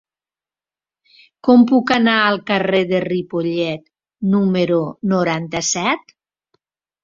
Com puc anar al carrer de Ripollet número noranta-set?